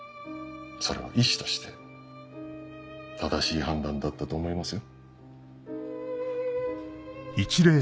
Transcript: それは医師として正しい判断だったと思いますよ。